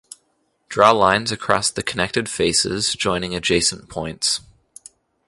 Draw lines across the connected faces, joining adjacent points.